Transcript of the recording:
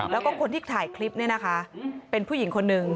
แล้วก็คนที่ถ่ายคลิปเนี่ยนะคะเป็นผู้หญิงคนนึง